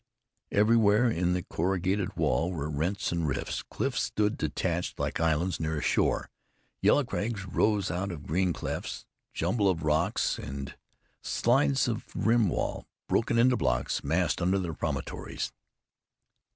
Everywhere in the corrugated wall were rents and rifts; cliffs stood detached like islands near a shore; yellow crags rose out of green clefts; jumble of rocks, and slides of rim wall, broken into blocks, massed under the promontories.